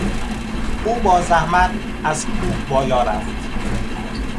او با زحمت از کوه بالا رفت.